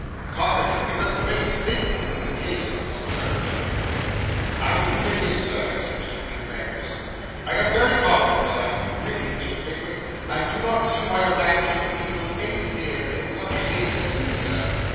'Confidence is a great thing in these cases,' observed Mr. Pickwick. 'I believe it is, Sir,' said Mr. Peter Magnus. 'I am very confident, Sir. Really, Mr. Pickwick, I do not see why a man should feel any fear in such a case as this, sir.